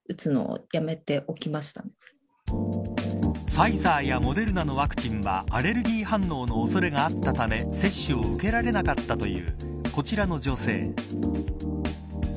ファイザーやモデルナのワクチンはアレルギー反応の恐れがあったため接種を受けられなかったというこちらの女性。